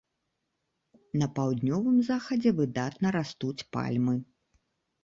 На паўднёвым захадзе выдатна растуць пальмы.